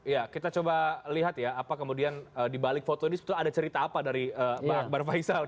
ya kita coba lihat ya apa kemudian dibalik foto ini sebetulnya ada cerita apa dari bang akbar faisal